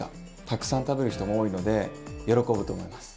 たくさん食べる人も多いので喜ぶと思います。